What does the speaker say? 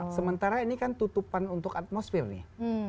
sementara ini kan tutupan untuk atmosfer nih